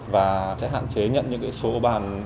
và sẽ hạn chế nhận những số bàn